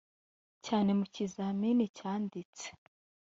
cyane mu kizamini cyanditse